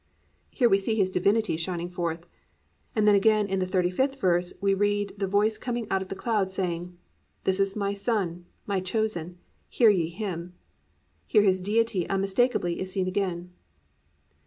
"+ Here we see His Divinity shining forth, and then again in the 35th verse, we read of the voice coming out of the cloud, saying, +"This is my son, my chosen; hear ye him."+ Here His Deity unmistakably is seen again.